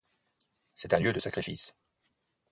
C'est un lieu de sacrifices.